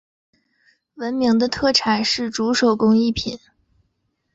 闻名的特产是竹手工艺品。